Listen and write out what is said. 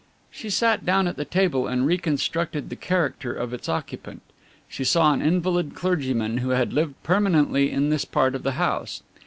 She sat down at the table and reconstructed the character of its occupant. She saw an invalid clergyman who had lived permanently in this part of the house.